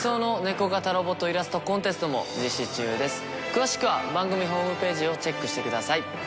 詳しくは番組ホームページをチェックしてください。